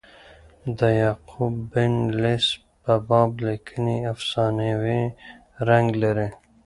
د یعقوب بن لیث په باب لیکني افسانوي رنګ لري.